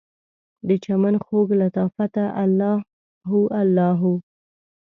دچمن خوږ لطافته، الله هو الله هو